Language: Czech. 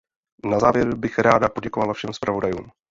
Na závěr bych ráda poděkovala všem zpravodajům.